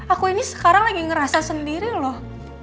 aku ini sekarang lagi ngerasa sendiri loh